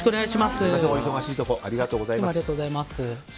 お忙しいところありがとうございます。